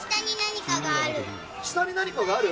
下に何かがある？